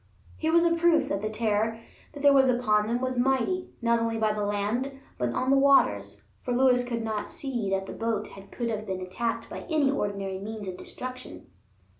Here was a proof that the terror that was upon them was mighty not only on the land but on the waters; for Lewis could not see that the boat could have been attacked by any ordinary means of destruction.